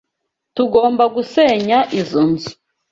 Tugomba gusenya izoi nzu.